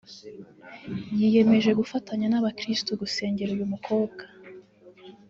yiyemeje gufatanya n’abakristu gusengera uyu mukobwa